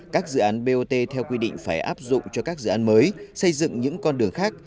các dự án bot theo quy định phải áp dụng cho các dự án mới xây dựng những con đường khác